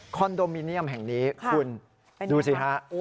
นโดมิเนียมแห่งนี้คุณดูสิฮะ